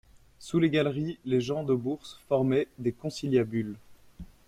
Sous les galeries, les gens de Bourse formaient des conciliabules.